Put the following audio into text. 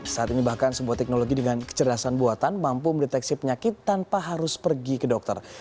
saat ini bahkan sebuah teknologi dengan kecerdasan buatan mampu mendeteksi penyakit tanpa harus pergi ke dokter